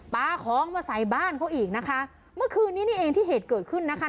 ปลาของมาใส่บ้านเขาอีกนะคะเมื่อคืนนี้นี่เองที่เหตุเกิดขึ้นนะคะ